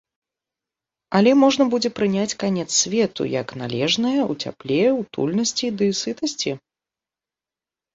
Але можна будзе прыняць канец свету, як належнае, у цяпле, утульнасці ды сытасці.